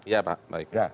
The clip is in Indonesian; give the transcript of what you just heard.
ya pak baik